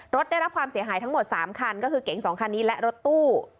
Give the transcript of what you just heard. รถได้รับความเสียหายทั้งหมด๓คันก็คือเก๋ง๒คันนี้และรถตู้